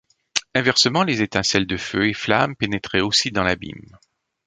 Inversement les étincelles de feux et flammes pénétraient aussi dans l'abîme.